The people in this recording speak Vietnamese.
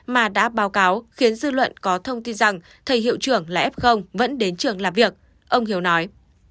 mà đã báo cáo khiến dư luận có thông tin rằng thầy hiệu trưởng là f vẫn đến trường làm việc ông hiếu nói